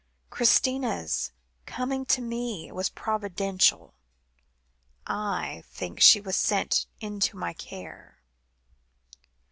Christina's coming to me was providential. I think she was sent into my care."